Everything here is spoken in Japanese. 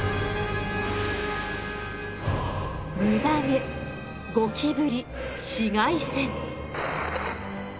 ムダ毛ゴキブリ紫外線。